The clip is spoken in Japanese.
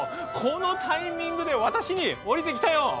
このタイミングで私に降りてきたよ。